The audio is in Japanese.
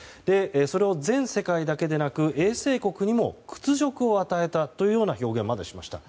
それを全世界だけでなく衛星国にも屈辱を与えたというような表現までしました。